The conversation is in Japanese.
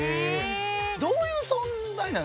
どういう存在なの？